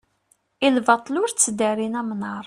i lbaṭel ur tteddarin amnaṛ